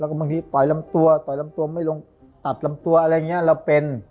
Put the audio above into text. แล้วก็บางทีต่อยลำตัวต่อยลำตัวไม่ลงตัดลำตัวอะไรอย่างนี้เราเป็น